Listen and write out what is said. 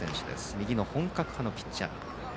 右の本格派のピッチャー。